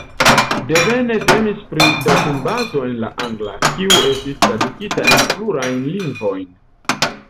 Devene temis pri datumbazo en la angla, kiu estis tradukita en plurajn lingvojn.